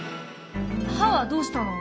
歯はどうしたの？